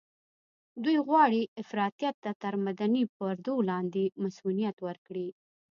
دوی غواړي افراطيت ته تر مدني پردو لاندې مصؤنيت ورکړي.